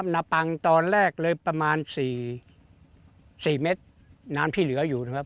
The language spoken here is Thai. นปังตอนแรกเลยประมาณ๔เมตรน้ำที่เหลืออยู่นะครับ